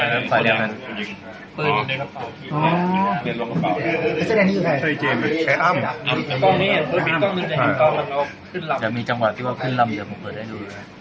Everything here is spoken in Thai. เอ่อตอนนี้มันเปลืองที่ลงกระเป๋าอ๋อเคยยังมีจังหวะว่าขึ้นลำเดี๋ยวผมเปิดให้ดู